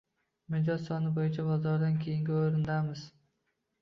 Mijoz soni boʻyicha bozordan keyingi oʻrindamiz